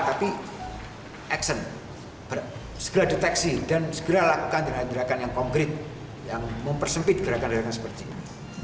tapi action segera deteksi dan segera lakukan tindakan tindakan yang konkret yang mempersempit gerakan gerakan seperti ini